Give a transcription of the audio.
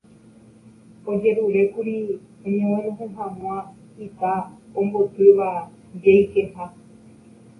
ojerurékuri oñeguenohẽ hag̃ua ita ombotýva jeikeha